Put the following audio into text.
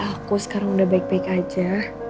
aku sekarang udah baik baik aja